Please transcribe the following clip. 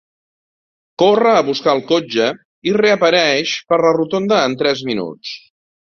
Corre a buscar el cotxe i reapareix per la rotonda en tres minuts.